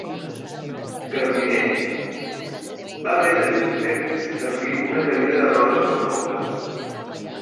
Gardiner va haver de fer servir una cadira de rodes per moure's.